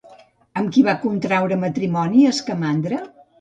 Amb qui va contreure matrimoni Escamandre?